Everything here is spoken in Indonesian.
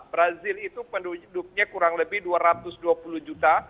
brazil itu penduduknya kurang lebih dua ratus dua puluh juta